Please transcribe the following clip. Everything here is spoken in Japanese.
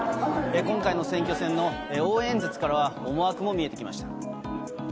今回の選挙戦の応援演説からは、思惑も見えてきました。